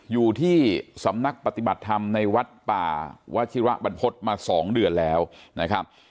อยู่ที่สำนักปฏิบัติธรรมในวัดป่าวัชิระบรรพฤษมา๒เดือนแล้วนะครับ